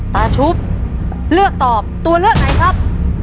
ชุบเลือกตอบตัวเลือกไหนครับ